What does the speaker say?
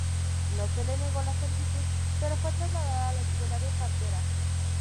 No se le negó lo solicitado pero fue trasladada a la Escuela de Parteras.